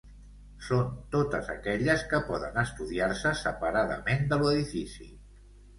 Són totes aquelles que poden estudiar-se separadament de l'edifici.